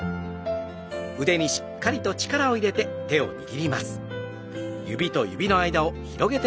腕にしっかりと力を入れながら握ります。